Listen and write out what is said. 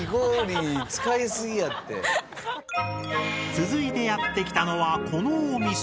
続いてやって来たのはこのお店！